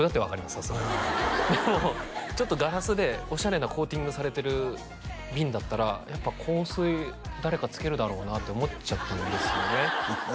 さすがにでもちょっとガラスでオシャレなコーティングされてる瓶だったらやっぱ香水誰かつけるだろうなって思っちゃったんですよね